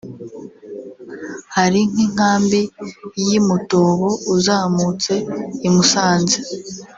Hari nk inkambi y’i Mutobo uzamutse i Musanze